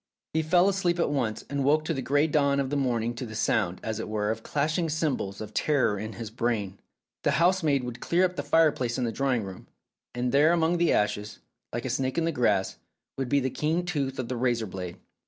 He fell asleep at once, and woke in the grey dawn of the morning to the sound, as it were, of clashing cymbals of terror in his brain. ... The housemaid would clear up the fireplace in the drawing room, and there among the ashes, like a snake in the grass, would be the keen tooth of the razor blade.